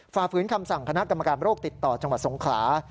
ฝืนคำสั่งคณะกรรมการโรคติดต่อจังหวัดสงขลา